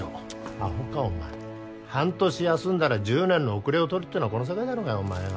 アホかお前半年休んだら１０年の後れをとるってのがこの世界だろうがよお前よ